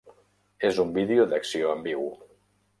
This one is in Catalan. És un vídeo d'acció en viu.